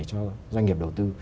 cho doanh nghiệp đầu tư